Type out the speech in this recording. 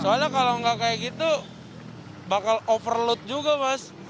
soalnya kalau nggak kayak gitu bakal overload juga mas